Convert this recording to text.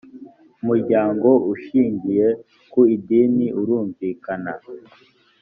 umuryango ushingiye ku idini urumvikana